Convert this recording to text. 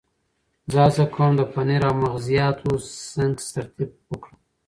زه هڅه کوم د پنیر او مغزیاتو سنکس ترکیب وکړم.